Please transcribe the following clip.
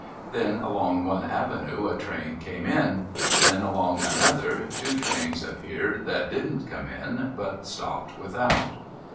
Then, along one avenue a train came in. Then, along another two trains appeared that didn't come in, but stopped without.